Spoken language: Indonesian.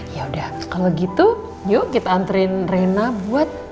yaudah kalau gitu yuk kita antriin rena buat